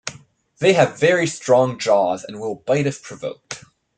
They have very strong jaws and will bite if provoked.